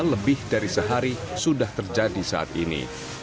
lebih dari sehari sudah terjadi saat ini